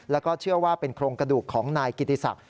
แล้วก็เชื่อว่าเป็นโครงกระดูกของนายกิติศักดิ